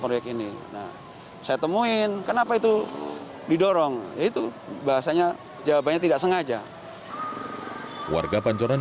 proyek ini nah saya temuin kenapa itu didorong itu bahasanya jawabannya tidak sengaja warga pancoran